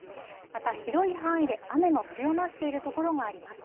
また広い範囲で雨の強まっている所があります。